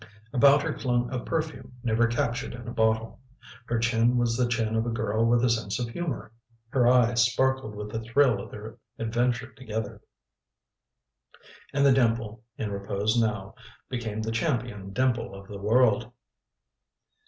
About her clung a perfume never captured in a bottle; her chin was the chin of a girl with a sense of humor; her eyes sparkled with the thrill of their adventure together. And the dimple, in repose now, became the champion dimple of the world.